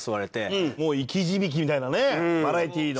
もう生き字引みたいなねバラエティの。